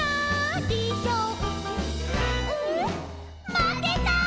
まけた」